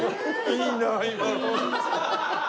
いいな今の。